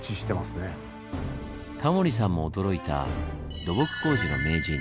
タモリさんも驚いた土木工事の名人